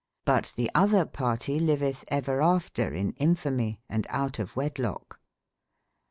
But tbe otber partie lyvetb ever after in in famye, & out of wedlocke.